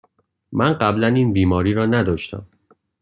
من قبلاً این بیماری را نداشتم.